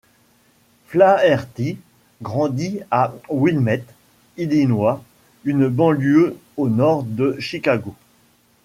Flaherty grandit à Wilmette, Illinois, une banlieue au nord de Chicago.